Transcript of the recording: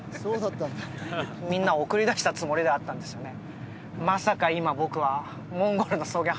みんなを送り出したつもりではあったんですよね